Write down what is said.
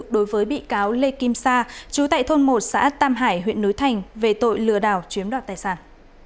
đối với bị cáo lê kim sa chú tại thôn một xã tam hải huyện núi thành về tội lừa đảo chiếm đoạt tài sản